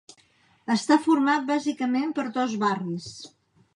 Està format bàsicament per dos barris.